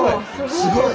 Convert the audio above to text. すごい！